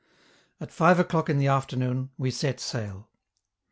At five o'clock in the afternoon we set sail.